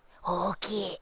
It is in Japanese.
大きい。